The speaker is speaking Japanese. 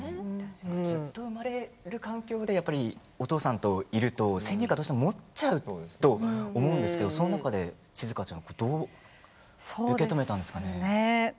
ずっと生まれる環境でお父さんといると先入観もどうしても持ってしまうと思うんですけど、その中で静ちゃんはどう受け止めたんですか？